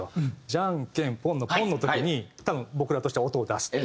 ジャンケンポンの「ポン」の時に多分僕らとしては音を出すと。